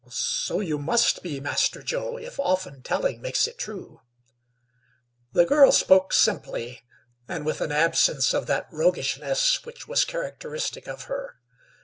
"So you must be, Master Joe, if often telling makes it true." The girl spoke simply, and with an absence of that roguishness which was characteristic of her.